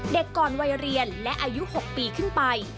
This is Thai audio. เด็กก่อนวัยเรียนและอายุ๖ปีขึ้นไป